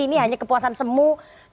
ini hanya kepuasan semua